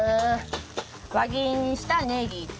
輪切りにしたねぎと。